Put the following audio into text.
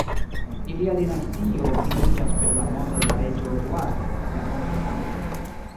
Ilia dinastio finiĝas per la morto de la reĝo Eduardo la Konfesanto.